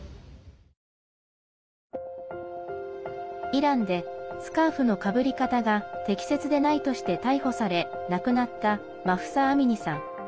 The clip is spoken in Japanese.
イランでスカーフのかぶり方が適切でないとして逮捕され、亡くなったマフサ・アミニさん。